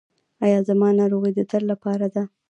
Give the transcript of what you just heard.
ایا زما ناروغي د تل لپاره ده؟